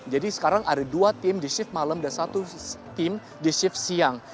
jadi sekarang ada dua tim di shift malam dan satu tim di shift siang